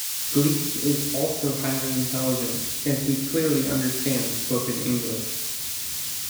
Gleek is also highly intelligent, as he clearly understands spoken English.